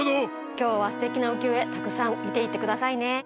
きょうはすてきなうきよえたくさんみていってくださいね。